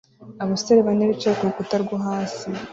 Abasore bane bicaye ku rukuta rwo hasi